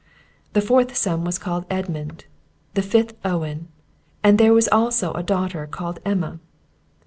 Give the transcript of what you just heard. The fourth son was called Edmund; the fifth Owen; and there was also a daughter, called Emma.